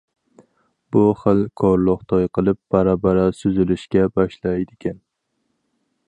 بۇ خىل كورلۇق توي قىلىپ بارا- بارا سۈزۈلۈشكە باشلايدىكەن.